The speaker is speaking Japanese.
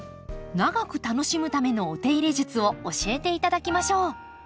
長く楽しむためのお手入れ術を教えて頂きましょう。